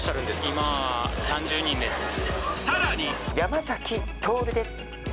今３０人ですさらに山咲トオルです